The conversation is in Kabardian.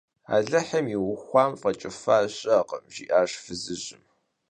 - Алыхьым иухам фӀэкӀыфа щыӀэкъым, – жиӀащ фызыжьым.